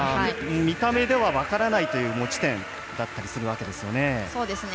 見た目では分からないという持ち点だったりもするんですよね。